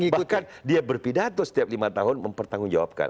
bahkan dia berpidato setiap lima tahun mempertanggungjawabkan